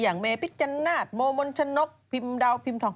อย่างเมภิกจนาสโมมนชะนครพิมส์ด้าวทรพิมส์ทอง